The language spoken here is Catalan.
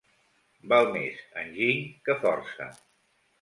Val més enginy que força.